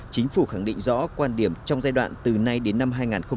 chính phủ khẳng định rõ quan điểm trong giai đoạn từ nay đến năm hai nghìn hai mươi